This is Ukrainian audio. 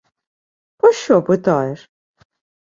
— Пощо питаєш?